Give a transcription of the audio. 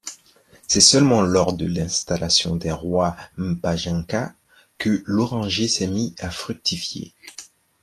C'est seulement lors de l'installation des rois mpanjaka que l'oranger s'est mis à fructifier...